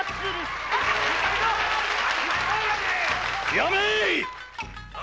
・やめい！